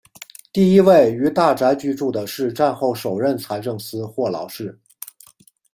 第一位于大宅居住的是战后首任财政司霍劳士。